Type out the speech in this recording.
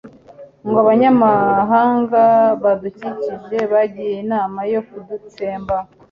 ngo abanyamahanga badukikije bagiye inama yo kudutsemba